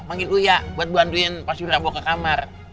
manggil luya buat bantuin pak surya bawa ke kamar